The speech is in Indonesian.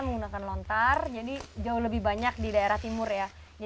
menggunakan lontar jadi jauh lebih banyak di daerah timur ya jadi karakter anyamannya